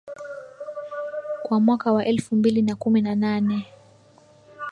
kwa mwaka wa elfu mbili na kumi na nane